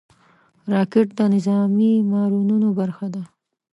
راکټ د نظامي مانورونو برخه ده